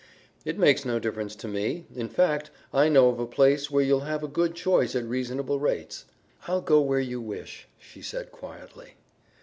"It makes no difference to me. In fact I know of a place where you'll have a good choice at reasonable rates." "I'll go where you wish," she said quietly.